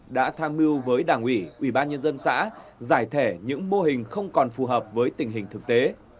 đã tham mưu với đảng ủy ủy ban nhân dân xã giải thể những mô hình không còn phù hợp với tình hình thực tế